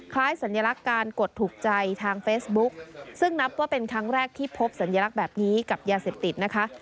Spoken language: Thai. สัญลักษณ์การกดถูกใจทางเฟซบุ๊กซึ่งนับว่าเป็นครั้งแรกที่พบสัญลักษณ์แบบนี้กับยาเสพติดนะคะ